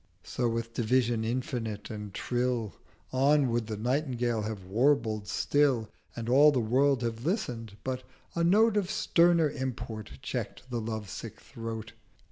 So with Division infinite and Trill 220 On would the Nightingale have warbled still, And all the World have listen'd; but a Note Of sterner Import check'd the lovesick Throat.